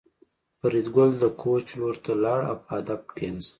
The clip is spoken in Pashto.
فریدګل د کوچ لور ته لاړ او په ادب کېناست